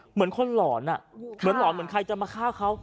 เหมือนคนหลอนเหมือนหลอนเหมือนใครจะมาฆ่าเขา